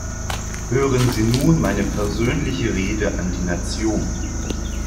Hören Sie nun meine persönliche Rede an die Nation!